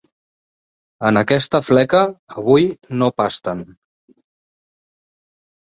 En aquesta fleca avui no pasten.